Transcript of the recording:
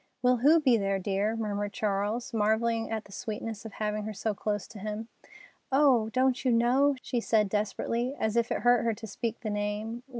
"Will who be there, dear?" murmured Charles, marvelling at the sweetness of having her so close to him. "Oh, don't you know?" she said desperately, as if it hurt her to speak the name.